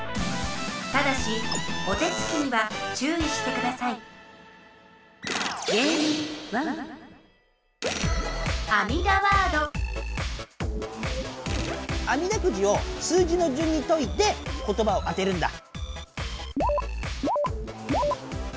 ただしお手つきにはちゅういしてくださいあみだくじを数字のじゅんにといてことばを当てるんだ！